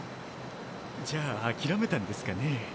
じゃあ諦めたんですかね？